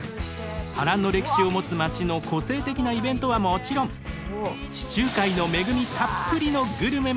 波乱の歴史を持つ街の個性的なイベントはもちろん地中海の恵みたっぷりのグルメもご紹介しますよ。